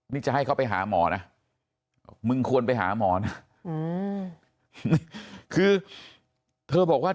นี่จะให้เขาไปหาหมอนะมึงควรไปหาหมอนะคือเธอบอกว่า